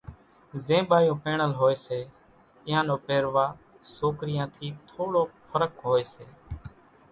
زين ٻايوُن پيڻل هوئيَ سي اينيان نو پيرواۿ سوڪريان ٿِي ٿوڙوڪ ڦرق هوئيَ سي۔